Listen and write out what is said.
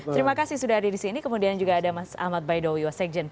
terima kasih sudah ada di sini kemudian juga ada mas ahmad baidowi wasekjen